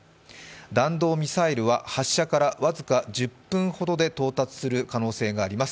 弾道ミサイルは発射から僅か１０分ほどで到達する可能性があります。